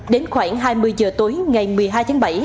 đến khoảng hai mươi giờ tối ngày một mươi hai tháng bảy